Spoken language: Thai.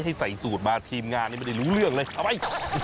ให้ใส่สูตรมาทีมงานนี่ไม่ได้รู้เรื่องเลยทำไม